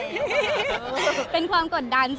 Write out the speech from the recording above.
มันเป็นปัญหาจัดการอะไรครับ